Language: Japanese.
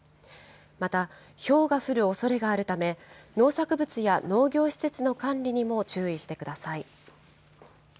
また、ひょうが降るおそれがあるため、農作物や農業施設の管理にも注意してください。